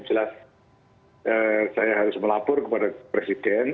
jelas saya harus melapor kepada presiden